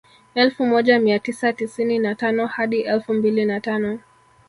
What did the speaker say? Elfu moja mia tisa tisini na tano hadi elfu mbili na tano